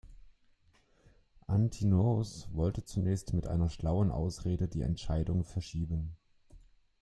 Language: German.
Antinoos wollte zunächst mit einer schlauen Ausrede die Entscheidung verschieben.